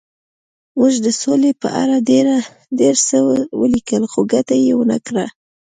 موږ د سولې په اړه ډېر څه ولیکل خو ګټه یې ونه کړه